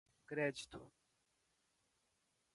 crédito